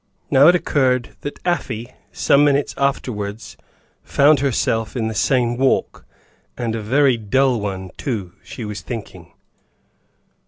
Now it occurred that Afy, some minutes afterwards, found herself in the same walk and a very dull one, too, she was thinking.